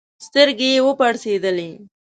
سترګي یې وپړسېدلې